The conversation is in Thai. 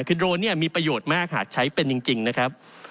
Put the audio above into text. คือโดรนเนี่ยมีประโยชน์มากหากใช้เป็นจริงนะครับ